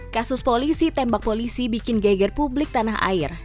kasus polisi tembak polisi bikin geger publik tanah air